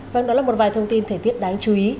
vâng đó là một vài thông tin thời tiết đáng chú ý